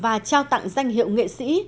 và trao tặng danh hiệu nghệ sĩ